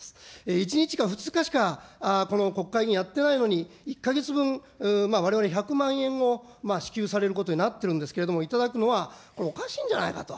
１日か２日しか、この国会議員やっていないのに、１か月分、われわれ、１００万円を支給されることになってるんですけれども、頂くのはこれ、おかしいんじゃないかと。